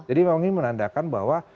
jadi memang ini menandakan bahwa